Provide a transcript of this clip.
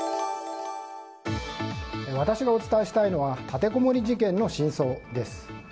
私がお伝えしたいのは立てこもり事件の真相です。